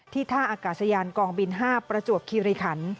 ท่าอากาศยานกองบิน๕ประจวบคิริขัน